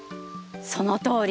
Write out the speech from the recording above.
そのとおりです。